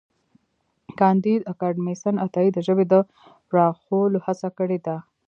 کانديد اکاډميسن عطايي د ژبې د پراخولو هڅه کړې ده.